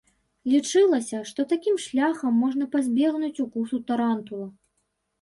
Лічылася, што такім шляхам можна пазбегнуць укусу тарантула.